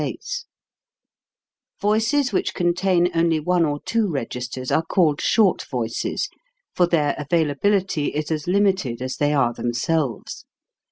Voices which contain only one or two registers are called short voices, for their 151 152 HOW TO SING availability is as limited as they are them selves.